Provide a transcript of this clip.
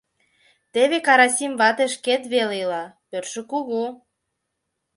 — Теве Карасим вате шкет веле ила, пӧртшӧ кугу.